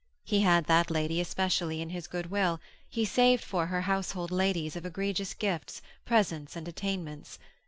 He had that lady especially in his good will, he saved for her household ladies of egregious gifts, presence and attainments.